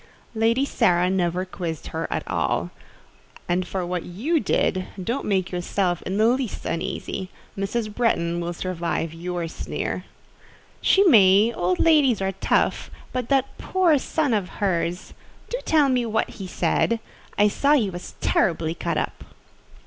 "Lady Sara never quizzed her at all; and for what you did, don't make yourself in the least uneasy: Mrs. Bretton will survive your sneer." "She may: old ladies are tough; but that poor son of hers! Do tell me what he said: I saw he was terribly cut up."